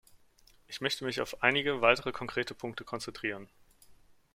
Ich möchte mich auf einige weitere konkrete Punkte konzentrieren.